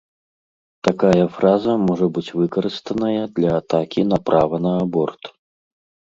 Такая фраза можа быць выкарыстаная для атакі на права на аборт.